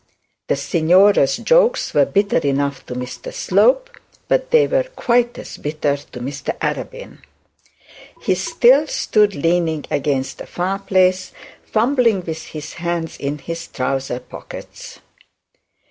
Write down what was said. The signora's jokes were bitter enough to Mr Slope, but they were quite as bitter to Mr Arabin. He still stood leaning against the fire place, fumbling with his hands in his trouser's pockets.